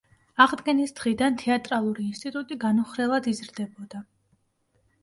აღდგენის დღიდან თეატრალური ინსტიტუტი განუხრელად იზრდებოდა.